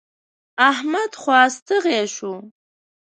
احمد خوا ستغی شو.